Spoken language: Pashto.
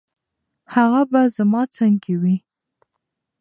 هغه به زما څنګ کې وي.